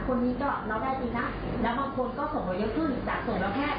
คนนี้ก็เราได้ดีนะแล้วบางคนก็ส่งมาเยอะขึ้นจากส่งแล้วแพทย์แต่ค่ะ